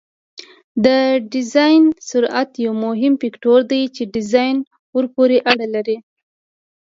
د ډیزاین سرعت یو مهم فکتور دی چې ډیزاین ورپورې اړه لري